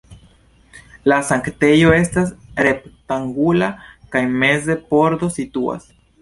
La sanktejo estas rektangula kaj meze pordo situas.